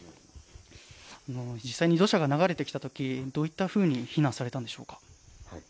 実際に土砂が流れてきたとき、どういったふうに避難されましたか？